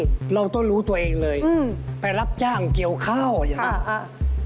เราต้องรู้ตัวเองเลยอืมไปรับจ้างเกี่ยวข้าวอย่างนี้